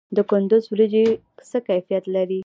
د کندز وریجې څه کیفیت لري؟